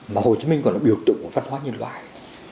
mà hồ chí minh còn là biểu tượng của văn hóa nhân loại